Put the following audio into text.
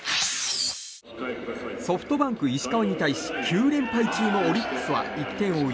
ソフトバンク、石川に対し９連敗中のオリックスは１点を追う